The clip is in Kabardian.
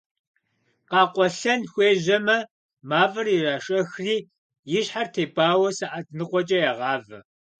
Къэкъуэлъэн хуежьэмэ, мафӏэр ирашэхри и щхьэр тепӏауэ сыхьэт ныкъуэкӏэ ягъавэ.